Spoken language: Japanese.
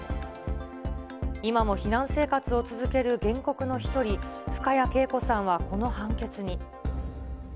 今も避難生活を続ける原告の一人、深谷敬子さんは、この判決に。